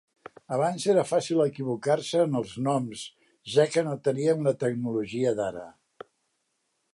Abans era fàcil equivocar-se en els noms, ja que no tenien la tecnologia d'ara.